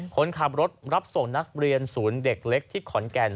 คนขับรถรับส่งนักเรียนศูนย์เด็กเล็กที่ขอนแก่น